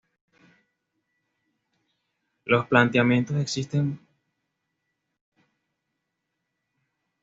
Los planteamientos existentes varían ampliamente y no solo en una dimensión.